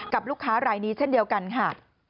กับลูกค้ารายนี้เช่นเดียวกันค่ะ